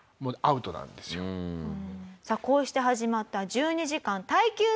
さあこうして始まった１２時間耐久スモーク。